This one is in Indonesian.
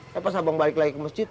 saya pas abang balik lagi ke masjid